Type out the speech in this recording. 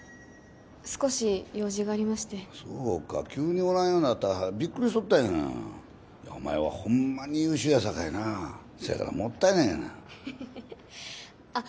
少し用事がありましてそうか急におらんようになってビックリしとったんやがなお前はホンマに優秀やさかいなそやからもったいないがなエヘヘヘあっ